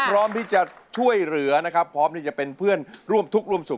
พร้อมที่จะช่วยเหลือนะครับพร้อมที่จะเป็นเพื่อนร่วมทุกข์ร่วมสุข